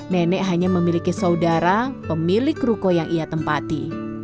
nenek hanya memiliki saudara pemilik ruko yang ia tempati